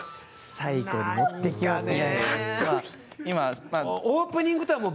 最後に持っていきますね。